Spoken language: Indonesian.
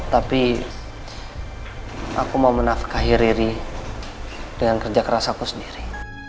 tapi aku mau menafkahi riri dengan kerja keras aku sendiri